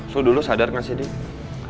lu dulu sadar gak sih didi